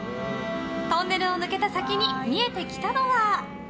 トンネルを抜けた先に見えてきたのは。